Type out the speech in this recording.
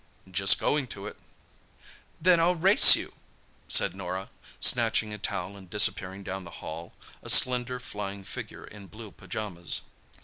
"Just going to it." "Then I'll race you!" said Norah, snatching a towel and disappearing down the hall, a slender, flying figure in blue pyjamas.